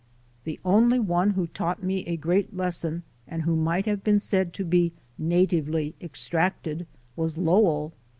The only one who taught me a great lesson and who might have been said to be "natively extracted" was Lowell.